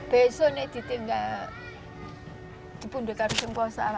besoknya saya tinggal di bunda karjengbosa